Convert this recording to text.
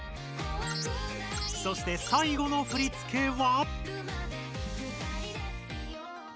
そして最後の振付は。